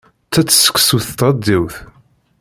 Ttett seksu s tɣeddiwt.